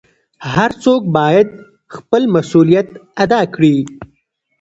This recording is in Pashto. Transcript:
هر څوک بايد خپل مسؤليت ادا کړي .